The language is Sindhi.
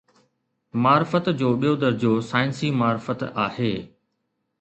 معرفت جو ٻيو درجو ”سائنسي معرفت“ آهي.